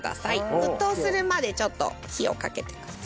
沸騰するまでちょっと火をかけてください。